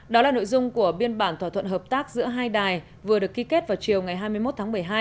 đó là nội dung của biên bản thỏa thuận hợp tác giữa hai đài vừa được ký kết vào chiều ngày hai mươi một tháng một mươi hai